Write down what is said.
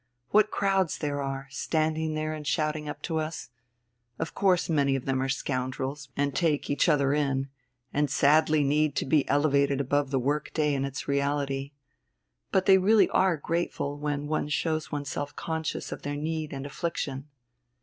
What crowds there are, standing there and shouting up to us! Of course many of them are scoundrels, and take each other in, and sadly need to be elevated above the work day and its reality. But they are really grateful when one shows oneself conscious of their need and affliction."